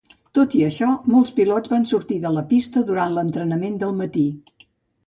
Tot i això, molts pilots van sortir de la pista durant l'entrenament del matí.